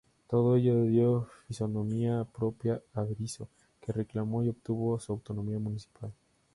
Todo ello dio fisonomía propia a Berisso, que reclamó y obtuvo su autonomía municipal.